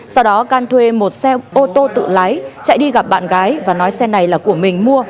sau đó can thuê một xe ô tô tự lái chạy đi gặp bạn gái và nói xe này là của mình mua